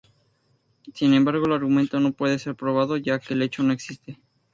Sin embargo, el argumento no puede ser probado, ya que el hecho no existe.